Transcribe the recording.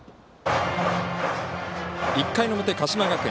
１回の表、鹿島学園。